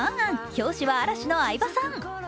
表紙は嵐の相葉さん。